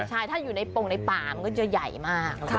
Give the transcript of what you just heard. ใช่ถ้าอยู่ในปงในป่ามันก็จะใหญ่มาก